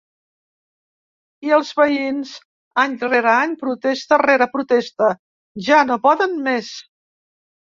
I els veïns, any rere any, protesta rere protesta, ja no poden més.